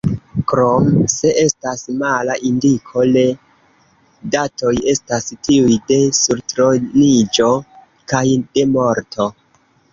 Krom se estas mala indiko, le datoj estas tiuj de surtroniĝo kaj de morto.